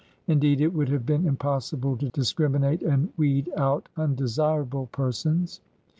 Indeed, it would have been impossible to discriminate and weed out undesirable persons.''